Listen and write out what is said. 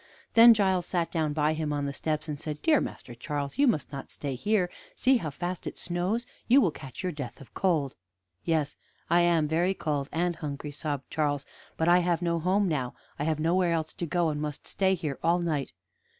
Then Giles sat down by him on the steps, and said: "Dear Master Charles, you must not stay here. See how fast it snows. You will catch your death of cold." "Yes, I am very cold and hungry," sobbed Charles, "but I have no home now; I have nowhere else to go, and must stay here all night."